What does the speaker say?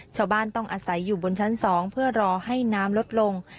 ชาวบ้านต้องอาศัยอยู่บนชั้น๒เพื่อรอให้น้ำลดลง